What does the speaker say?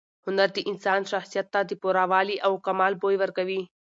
هنر د انسان شخصیت ته د پوره والي او کمال بوی ورکوي.